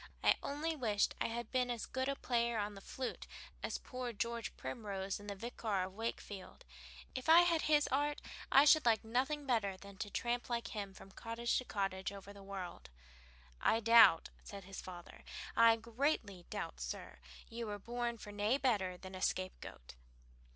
"I only wished I had been as good a player on the flute as poor George Primrose in 'The Vicar of Wakefield.' If I had his art, I should like nothing better than to tramp like him from cottage to cottage over the world." "I doubt," said the father, "I greatly doubt, sir, you were born for nae better than a scapegoat."